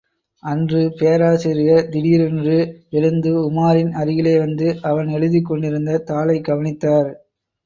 அன்று பேராசிரியர் திடீரென்று எழுந்து உமாரின் அருகிலே வந்து அவன் எழுதிக் கொண்டிருந்த தாளை கவனித்தார்.